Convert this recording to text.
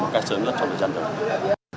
cái sớm rất trọng đối chất